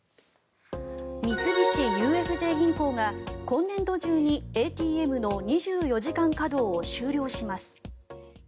三菱ＵＦＪ銀行が今年度中にＡＴＭの２４時間稼働を終了します。